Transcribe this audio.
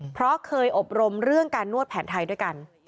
เพราะเคยอบรมเรื่องการนวดแผนไทยด้วยกัน